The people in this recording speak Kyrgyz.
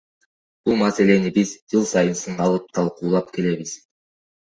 Бул маселени биз жыл сайын сынга алып, талкуулап келебиз.